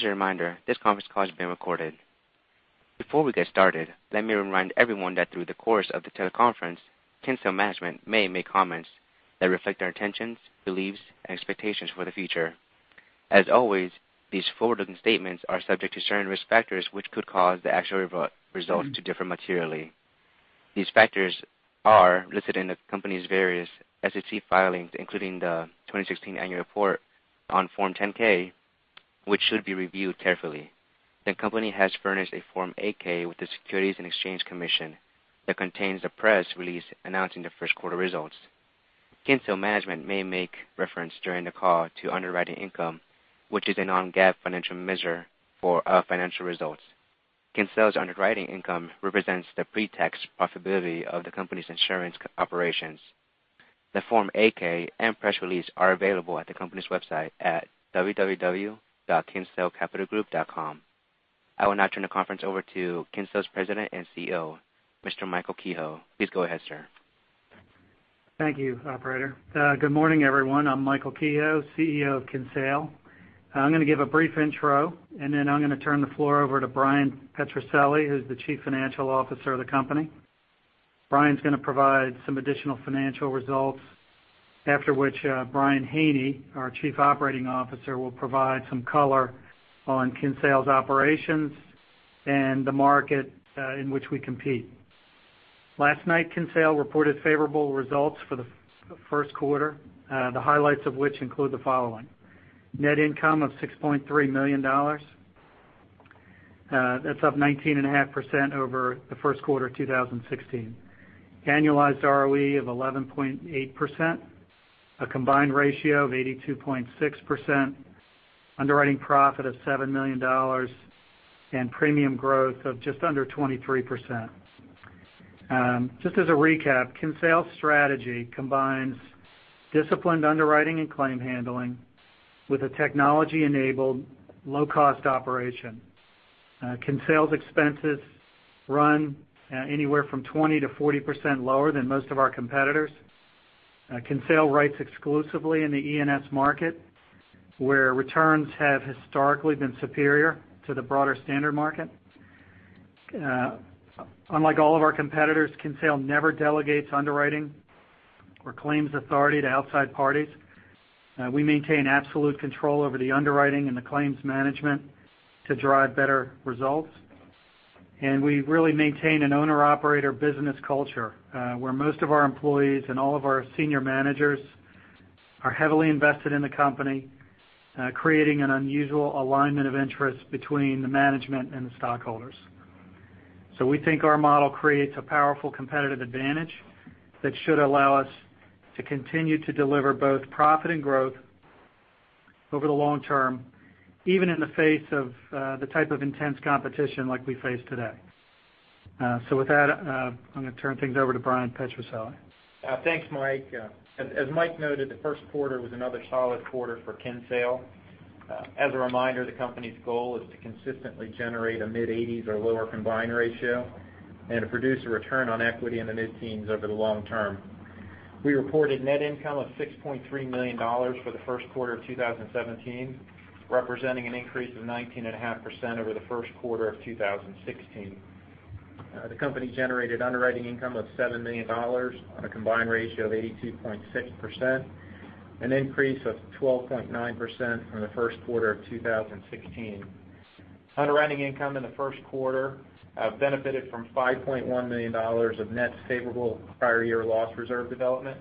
As a reminder, this conference call is being recorded. Before we get started, let me remind everyone that through the course of the teleconference, Kinsale management may make comments that reflect our intentions, beliefs, and expectations for the future. As always, these forward-looking statements are subject to certain risk factors, which could cause the actual results to differ materially. These factors are listed in the company's various SEC filings, including the 2016 annual report on Form 10-K, which should be reviewed carefully. The company has furnished a Form 8-K with the Securities and Exchange Commission that contains a press release announcing the first quarter results. Kinsale management may make reference during the call to underwriting income, which is a non-GAAP financial measure for our financial results. Kinsale's underwriting income represents the pre-tax profitability of the company's insurance operations. The Form 8-K and press release are available at the company's website at www.kinsalecapitalgroup.com. I will now turn the conference over to Kinsale's President and CEO, Mr. Michael Kehoe. Please go ahead, sir. Thank you, operator. Good morning, everyone. I'm Michael Kehoe, CEO of Kinsale. I'm going to give a brief intro. Then I'm going to turn the floor over to Bryan P. Petrucelli, who's the Chief Financial Officer of the company. Bryan P.'s going to provide some additional financial results, after which Brian Haney, our Chief Operating Officer, will provide some color on Kinsale's operations and the market in which we compete. Last night, Kinsale reported favorable results for the first quarter, the highlights of which include the following. Net income of $6.3 million. That's up 19.5% over the first quarter of 2016. Annualized ROE of 11.8%, a combined ratio of 82.6%, underwriting profit of $7 million. Premium growth of just under 23%. Just as a recap, Kinsale's strategy combines disciplined underwriting and claim handling with a technology-enabled low-cost operation. Kinsale's expenses run anywhere from 20%-40% lower than most of our competitors. Kinsale writes exclusively in the E&S market, where returns have historically been superior to the broader standard market. Unlike all of our competitors, Kinsale never delegates underwriting or claims authority to outside parties. We maintain absolute control over the underwriting and the claims management to drive better results. We really maintain an owner/operator business culture, where most of our employees and all of our senior managers are heavily invested in the company, creating an unusual alignment of interest between the management and the stockholders. We think our model creates a powerful competitive advantage that should allow us to continue to deliver both profit and growth over the long term, even in the face of the type of intense competition like we face today. With that, I'm going to turn things over to Bryan Petrucelli. Thanks, Mike. As Mike noted, the first quarter was another solid quarter for Kinsale. As a reminder, the company's goal is to consistently generate a mid-80s or lower combined ratio and to produce a return on equity in the mid-teens over the long term. We reported net income of $6.3 million for the first quarter of 2017, representing an increase of 19 and a half % over the first quarter of 2016. The company generated underwriting income of $7 million on a combined ratio of 82.6%, an increase of 12.9% from the first quarter of 2016. Underwriting income in the first quarter benefited from $5.1 million of net favorable prior year loss reserve development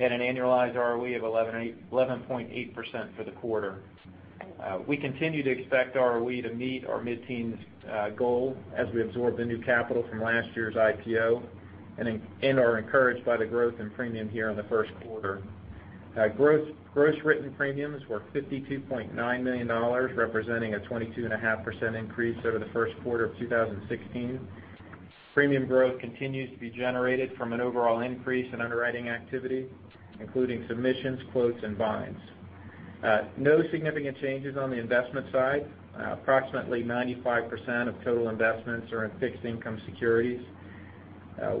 and an annualized ROE of 11.8% for the quarter. We continue to expect ROE to meet our mid-teens goal as we absorb the new capital from last year's IPO and are encouraged by the growth in premium here in the first quarter. Gross written premiums were $52.9 million, representing a 22 and a half % increase over the first quarter of 2016. Premium growth continues to be generated from an overall increase in underwriting activity, including submissions, quotes, and binds. No significant changes on the investment side. Approximately 95% of total investments are in fixed income securities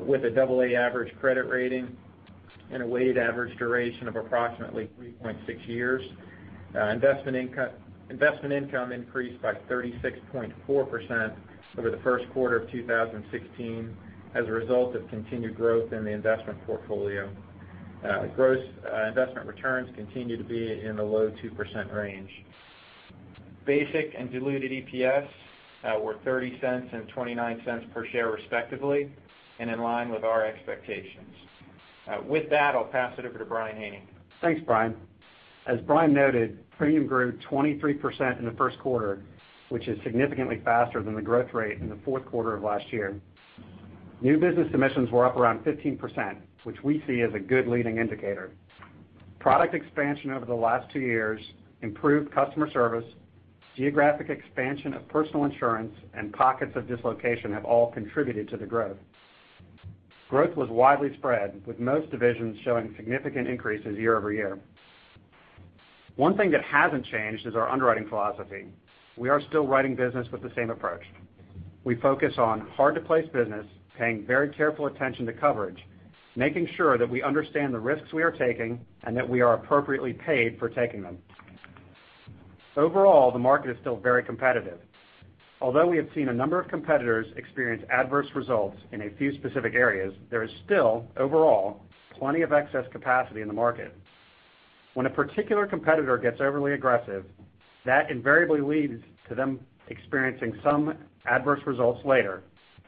with a double A average credit rating and a weighted average duration of approximately 3.6 years. Investment income increased by 36.4% over the first quarter of 2016 as a result of continued growth in the investment portfolio. Gross investment returns continue to be in the low 2% range. Basic and diluted EPS were $0.30 and $0.29 per share, respectively, and in line with our expectations. With that, I'll pass it over to Brian Haney. Thanks, Brian. As Brian noted, premium grew 23% in the first quarter, which is significantly faster than the growth rate in the fourth quarter of last year. New business submissions were up around 15%, which we see as a good leading indicator. Product expansion over the last two years, improved customer service, geographic expansion of personal insurance, and pockets of dislocation have all contributed to the growth. Growth was widely spread, with most divisions showing significant increases year-over-year. One thing that hasn't changed is our underwriting philosophy. We are still writing business with the same approach. We focus on hard-to-place business, paying very careful attention to coverage, making sure that we understand the risks we are taking, and that we are appropriately paid for taking them. Overall, the market is still very competitive. Although we have seen a number of competitors experience adverse results in a few specific areas, there is still, overall, plenty of excess capacity in the market. When a particular competitor gets overly aggressive, that invariably leads to them experiencing some adverse results later,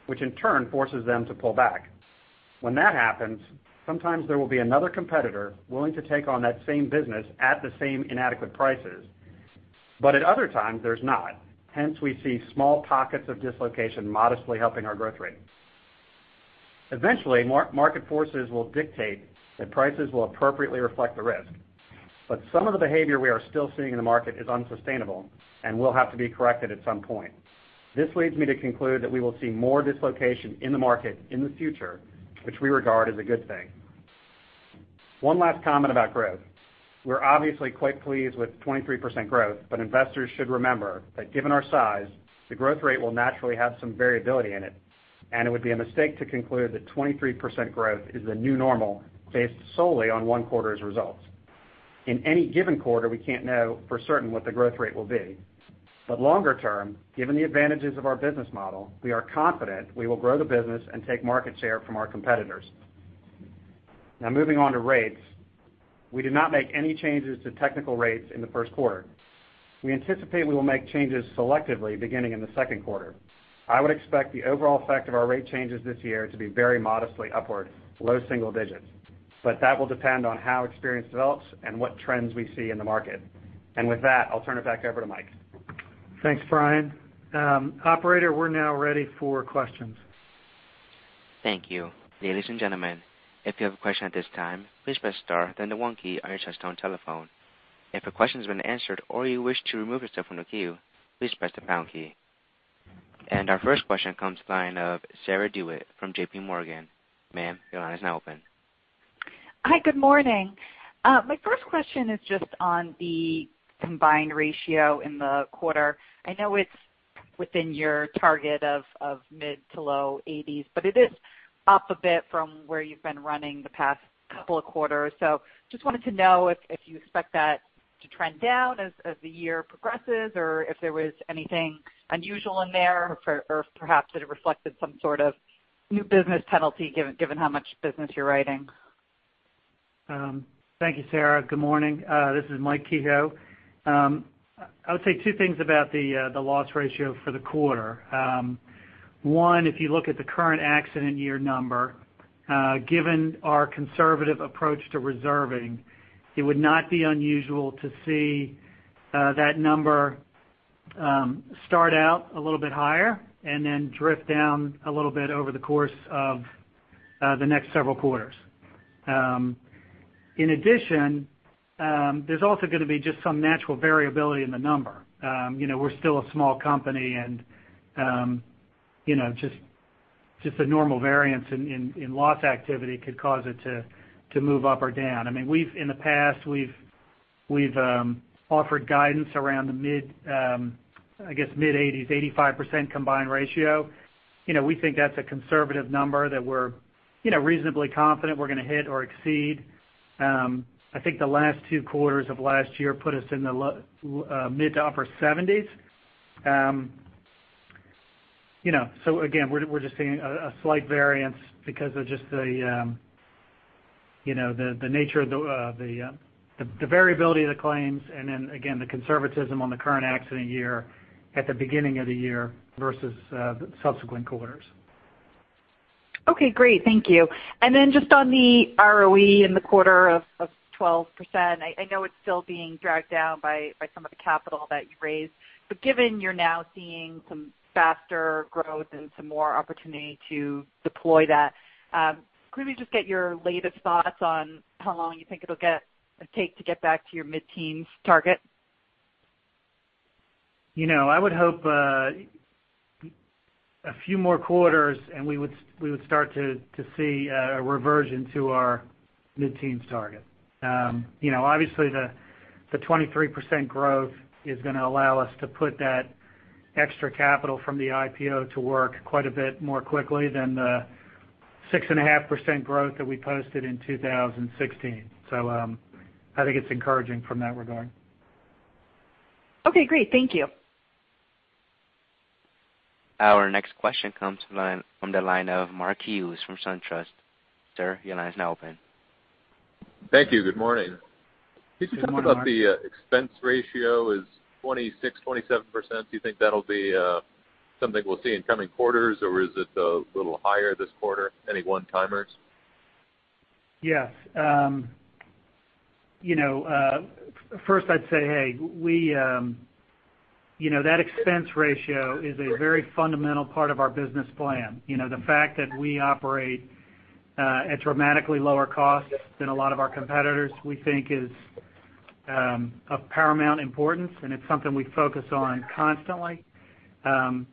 which in turn forces them to pull back. When that happens, sometimes there will be another competitor willing to take on that same business at the same inadequate prices, but at other times, there's not. Hence, we see small pockets of dislocation modestly helping our growth rate. Eventually, market forces will dictate that prices will appropriately reflect the risk. Some of the behavior we are still seeing in the market is unsustainable and will have to be corrected at some point. This leads me to conclude that we will see more dislocation in the market in the future, which we regard as a good thing. One last comment about growth. We're obviously quite pleased with 23% growth, but investors should remember that given our size, the growth rate will naturally have some variability in it, and it would be a mistake to conclude that 23% growth is the new normal based solely on one quarter's results. In any given quarter, we can't know for certain what the growth rate will be. Longer term, given the advantages of our business model, we are confident we will grow the business and take market share from our competitors. Now, moving on to rates. We did not make any changes to technical rates in the first quarter. We anticipate we will make changes selectively beginning in the second quarter. I would expect the overall effect of our rate changes this year to be very modestly upward, low single digits. That will depend on how experience develops and what trends we see in the market. With that, I'll turn it back over to Mike. Thanks, Brian. Operator, we're now ready for questions. Thank you. Ladies and gentlemen, if you have a question at this time, please press star, then the 1 key on your touchtone telephone. If your question has been answered or you wish to remove yourself from the queue, please press the pound key. Our first question comes to the line of Sarah DeWitt from JPMorgan. Ma'am, your line is now open. Hi, good morning. My first question is just on the combined ratio in the quarter. I know it's within your target of mid-to-low 80s, but it is up a bit from where you've been running the past couple of quarters. Just wanted to know if you expect that to trend down as the year progresses, or if there was anything unusual in there, or perhaps it reflected some sort of new business penalty given how much business you're writing. Thank you, Sarah. Good morning. This is Mike Kehoe. I would say two things about the loss ratio for the quarter. One, if you look at the current accident year number, given our conservative approach to reserving, it would not be unusual to see that number start out a little bit higher and then drift down a little bit over the course of the next several quarters. In addition, there's also going to be just some natural variability in the number. We're still a small company, and just a normal variance in loss activity could cause it to move up or down. In the past, we've offered guidance around, I guess, mid-80s, 85% combined ratio. We think that's a conservative number that we're reasonably confident we're going to hit or exceed. I think the last two quarters of last year put us in the mid-to-upper 70s. Again, we're just seeing a slight variance because of just the variability of the claims and then again, the conservatism on the current accident year at the beginning of the year versus subsequent quarters. Okay, great. Thank you. Then just on the ROE in the quarter of 12%, I know it's still being dragged down by some of the capital that you raised. Given you're now seeing some faster growth and some more opportunity to deploy that, could we just get your latest thoughts on how long you think it'll take to get back to your mid-teens target? I would hope a few more quarters, we would start to see a reversion to our mid-teens target. Obviously, the 23% growth is going to allow us to put that extra capital from the IPO to work quite a bit more quickly than the 6.5% growth that we posted in 2016. I think it's encouraging from that regard. Okay, great. Thank you. Our next question comes from the line of Mark Hughes from SunTrust. Sir, your line is now open. Thank you. Good morning. Good morning, Mark. Can you talk about the expense ratio is 26%, 27%. Do you think that'll be something we'll see in coming quarters, or is it a little higher this quarter? Any one-timers? Yes. First I'd say, hey, that expense ratio is a very fundamental part of our business plan. The fact that we operate at dramatically lower costs than a lot of our competitors, we think, is of paramount importance, and it's something we focus on constantly. The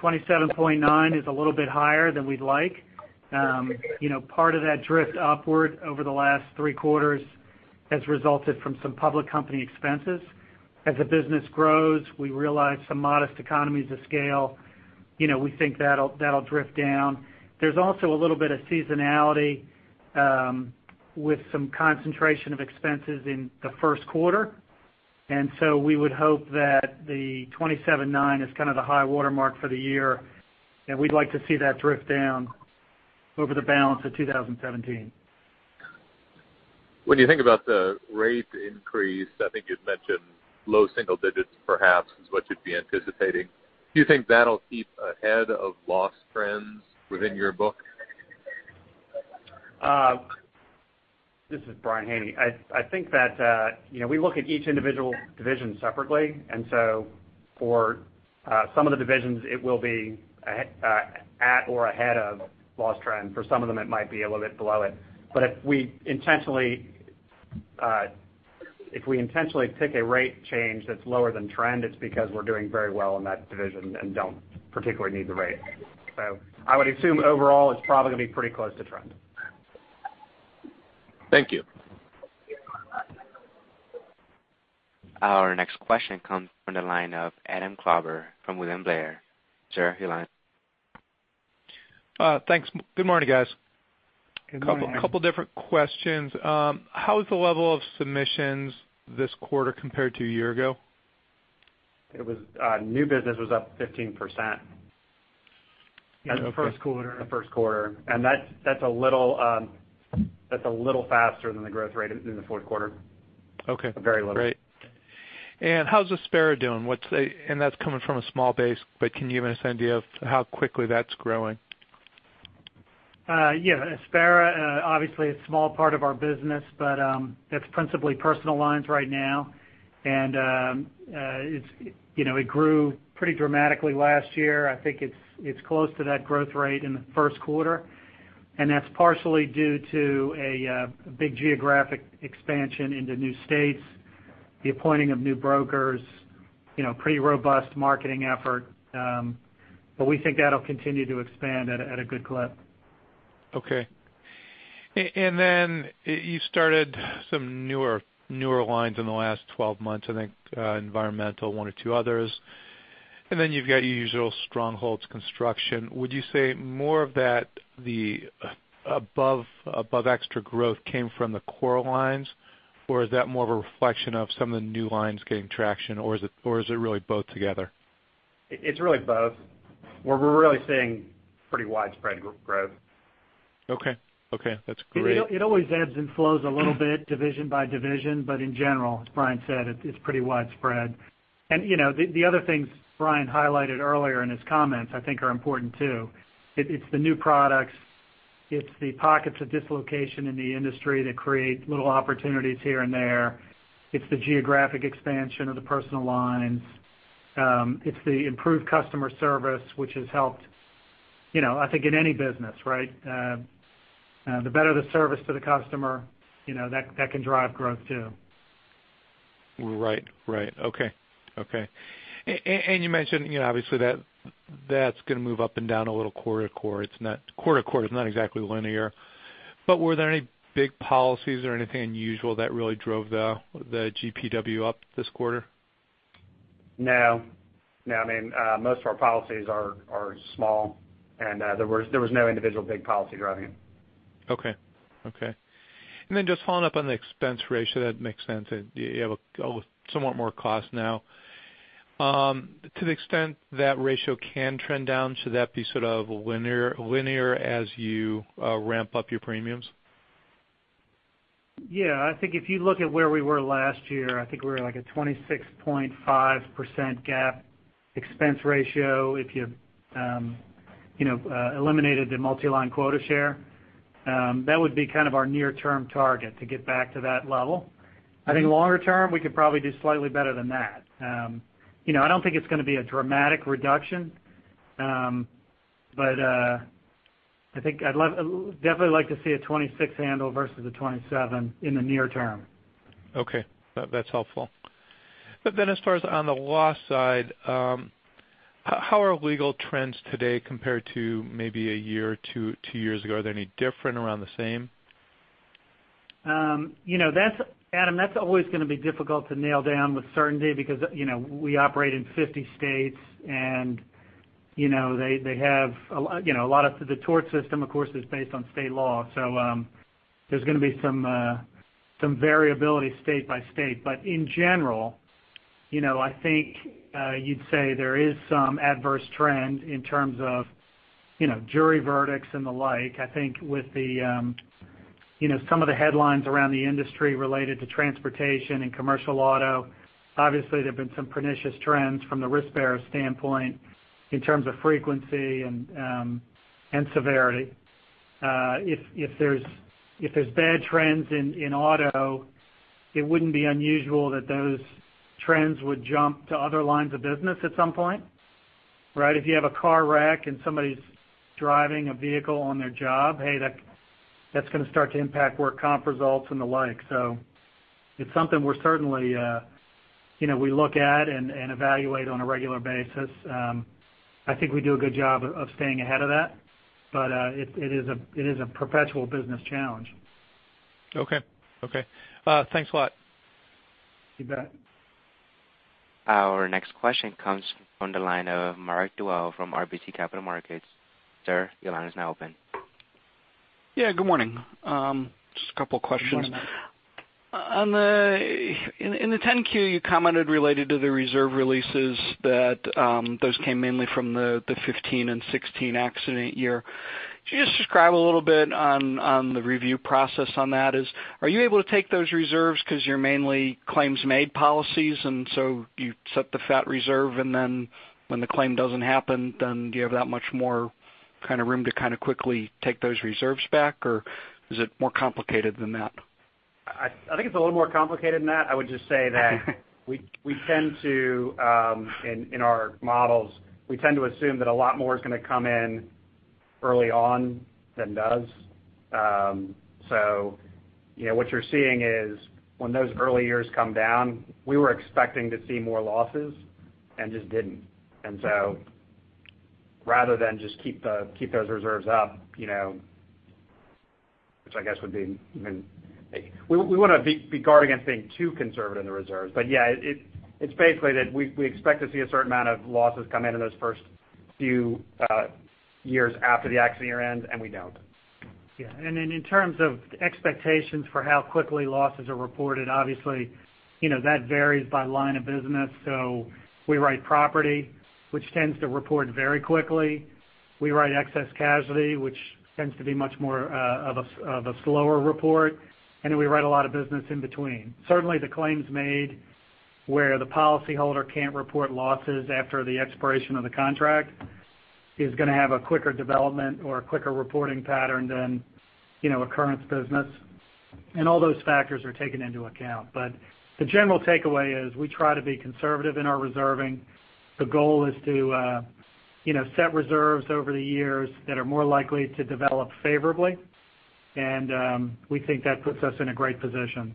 27.9% is a little bit higher than we'd like. Part of that drift upward over the last three quarters has resulted from some public company expenses. As the business grows, we realize some modest economies of scale. We think that'll drift down. There's also a little bit of seasonality with some concentration of expenses in the first quarter. We would hope that the 27.9% is kind of the high watermark for the year, and we'd like to see that drift down over the balance of 2017. When you think about the rate increase, I think you'd mentioned low single digits perhaps is what you'd be anticipating. Do you think that'll keep ahead of loss trends within your book? This is Brian Haney. I think that we look at each individual division separately. For some of the divisions, it will be at or ahead of loss trend. For some of them, it might be a little bit below it. If we intentionally pick a rate change that's lower than trend, it's because we're doing very well in that division and don't particularly need the rate. I would assume overall, it's probably going to be pretty close to trend. Thank you. Our next question comes from the line of Adam Klauber from William Blair. Sir, your line. Thanks. Good morning, guys. Good morning. A couple of different questions. How was the level of submissions this quarter compared to a year ago? New business was up 15%. In the first quarter. In the first quarter. That's a little faster than the growth rate in the fourth quarter. Okay. Very little. Great. How's Aspera doing? That's coming from a small base, but can you give us an idea of how quickly that's growing? Yeah. Aspera, obviously, a small part of our business, but that's principally personal lines right now. It grew pretty dramatically last year. I think it's close to that growth rate in the first quarter, and that's partially due to a big geographic expansion into new states, the appointing of new brokers, pretty robust marketing effort. We think that'll continue to expand at a good clip. Okay. Then you started some newer lines in the last 12 months, I think, environmental, one or two others. Then you've got your usual strongholds construction. Would you say more of that above extra growth came from the core lines, or is that more of a reflection of some of the new lines getting traction, or is it really both together? It's really both. We're really seeing pretty widespread growth. Okay. That's great. It always ebbs and flows a little bit, division by division. In general, as Brian said, it's pretty widespread. The other things Brian highlighted earlier in his comments, I think, are important too. It's the new products. It's the pockets of dislocation in the industry that create little opportunities here and there. It's the geographic expansion of the personal lines. It's the improved customer service, which has helped, I think, in any business, right? The better the service to the customer, that can drive growth, too. Right. Okay. You mentioned, obviously that's going to move up and down a little quarter-to-quarter. It's not exactly linear. Were there any big policies or anything unusual that really drove the GPW up this quarter? No. Most of our policies are small, and there was no individual big policy driving it. Okay. Just following up on the expense ratio, that makes sense. You have somewhat more cost now. To the extent that ratio can trend down, should that be sort of linear as you ramp up your premiums? Yeah. I think if you look at where we were last year, I think we were like at 26.5% GAAP expense ratio. If you eliminated the multi-line quota share, that would be kind of our near-term target to get back to that level. I think longer term, we could probably do slightly better than that. I don't think it's going to be a dramatic reduction, I think I'd definitely like to see a 26 handle versus a 27 in the near term. Okay. That's helpful. As far as on the loss side, how are legal trends today compared to maybe a year or two years ago? Are they any different, around the same? Adam, that's always going to be difficult to nail down with certainty because we operate in 50 states, a lot of the tort system, of course, is based on state law. There's going to be some variability state by state. In general, I think you'd say there is some adverse trend in terms of jury verdicts and the like. I think with some of the headlines around the industry related to transportation and commercial auto, obviously, there have been some pernicious trends from the risk-bearer standpoint in terms of frequency and severity. If there's bad trends in auto, it wouldn't be unusual that those trends would jump to other lines of business at some point. Right? If you have a car wreck and somebody's driving a vehicle on their job, hey, that's going to start to impact workers' compensation results and the like. It's something we look at and evaluate on a regular basis. I think we do a good job of staying ahead of that, it is a perpetual business challenge. Okay. Thanks a lot. You bet. Our next question comes from the line of Mark Dwelle from RBC Capital Markets. Sir, your line is now open. Yeah, good morning. Just a couple of questions. Good morning. In the 10-Q, you commented related to the reserve releases that those came mainly from the 2015 and 2016 accident year. Could you just describe a little bit on the review process on that is, are you able to take those reserves because you're mainly claims-made policies, you set the catastrophe reserve, when the claim doesn't happen, do you have that much more room to quickly take those reserves back, or is it more complicated than that? I think it's a little more complicated than that. I would just say that in our models, we tend to assume that a lot more is going to come in early on than does. What you're seeing is when those early years come down, we were expecting to see more losses and just didn't. Rather than just keep those reserves up, we want to be guarding against being too conservative in the reserves. It's basically that we expect to see a certain amount of losses come in in those first few years after the accident year ends, and we don't. Yeah. In terms of expectations for how quickly losses are reported, obviously, that varies by line of business. We write property, which tends to report very quickly. We write excess casualty, which tends to be much more of a slower report, and then we write a lot of business in between. Certainly, the claims-made where the policyholder can't report losses after the expiration of the contract is going to have a quicker development or a quicker reporting pattern than occurrence business. All those factors are taken into account. The general takeaway is we try to be conservative in our reserving. The goal is to set reserves over the years that are more likely to develop favorably, and we think that puts us in a great position.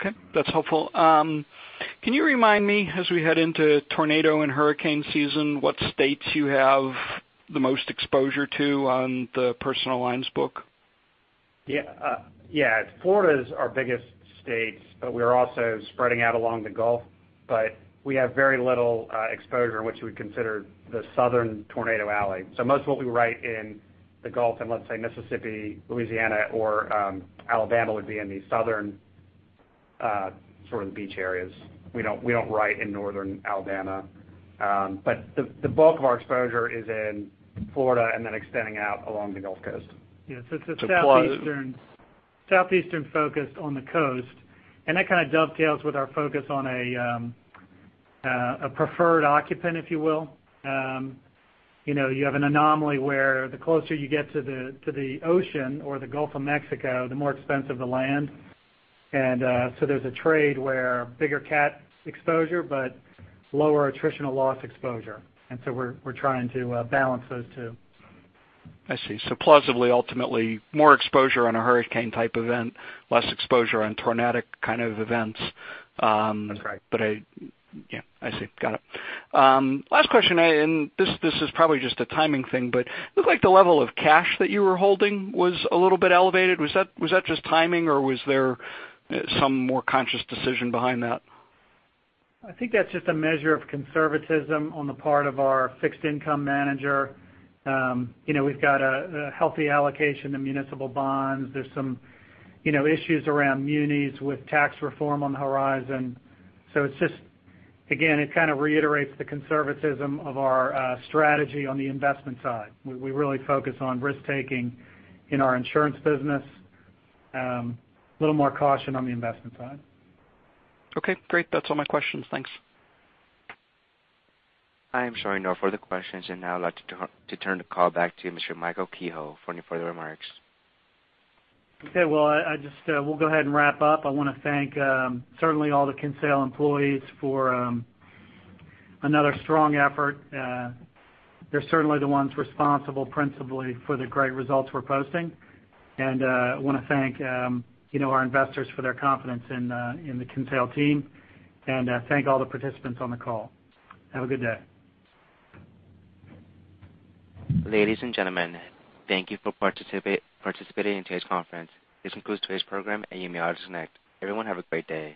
Okay. That's helpful. Can you remind me, as we head into tornado and hurricane season, what states you have the most exposure to on the personal lines book? Yeah. Florida is our biggest state, we're also spreading out along the Gulf. We have very little exposure in which we consider the southern Tornado Alley. Most of what we write in the Gulf, and let's say Mississippi, Louisiana, or Alabama would be in the southern sort of beach areas. We don't write in northern Alabama. The bulk of our exposure is in Florida and then extending out along the Gulf Coast. Yeah. It's a southeastern focus on the coast, and that kind of dovetails with our focus on a preferred occupant, if you will. You have an anomaly where the closer you get to the ocean or the Gulf of Mexico, the more expensive the land. There's a trade where bigger cat exposure, but lower attritional loss exposure. We're trying to balance those two. I see. Plausibly, ultimately, more exposure on a hurricane type event, less exposure on tornadic kind of events. That's right. I see. Got it. Last question, this is probably just a timing thing, it looked like the level of cash that you were holding was a little bit elevated. Was that just timing, or was there some more conscious decision behind that? I think that's just a measure of conservatism on the part of our fixed income manager. We've got a healthy allocation to municipal bonds. There's some issues around munis with tax reform on the horizon. It's just, again, it kind of reiterates the conservatism of our strategy on the investment side. We really focus on risk-taking in our insurance business. A little more caution on the investment side. Okay, great. That's all my questions. Thanks. I am showing no further questions. I'd now like to turn the call back to Mr. Michael Kehoe for any further remarks. Okay. Well, we'll go ahead and wrap up. I want to thank certainly all the Kinsale employees for another strong effort. They're certainly the ones responsible principally for the great results we're posting. I want to thank our investors for their confidence in the Kinsale team, and thank all the participants on the call. Have a good day. Ladies and gentlemen, thank you for participating in today's conference. This concludes today's program, and you may all disconnect. Everyone have a great day.